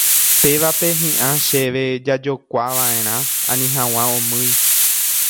Pévape hi'ã chéve jajokuava'erã ani hag̃ua omýi.